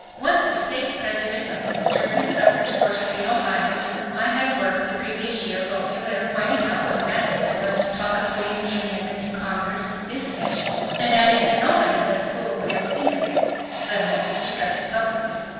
Once the state president of the conservative suffrage forces in Ohio with whom I had worked the previous year wrote me a letter pointing out what madness it was to talk of winning the amendment in Congress "this session," and adding that "nobody but a fool would ever think of it, let alone speak of it publicly."